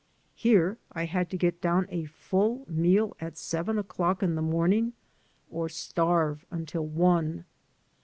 Here I had to get down a full meal at seven o'clock in the morning or starve until one.